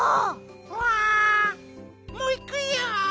ホワもういくよ。